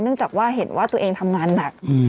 จากว่าเห็นว่าตัวเองทำงานหนัก